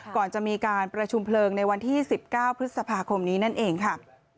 ก่อนจะมีการประชุมเพลิงในวันที่๑๙พฤษภาคมนี้นั่นเองค่ะ